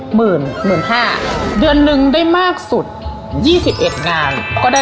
หมื่นหมื่นห้าเดือนนึงได้มากสุดยี่สิบเอ็ดงานก็ได้